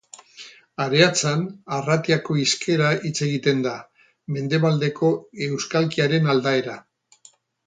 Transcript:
Areatzan Arratiako hizkera hitz egiten da, mendebaldeko euskalkiaren aldaera.